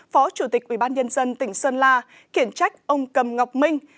phó chủ tịch ubnd tỉnh sơn la kiển trách ông cầm ngọc minh